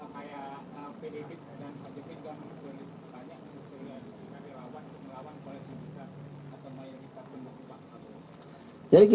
apakah tentang kompetensi kompetensi komunikasi yang melawan tadi